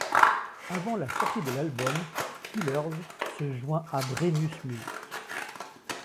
Avant la sortie de l'album, Killers se joint à Brennus Music.